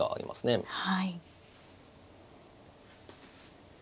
はい。